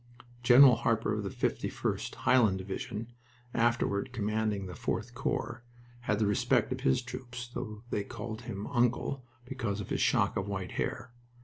General Harper of the 51st (Highland) Division, afterward commanding the 4th Corps, had the respect of his troops, though they called him "Uncle" because of his shock of white hair.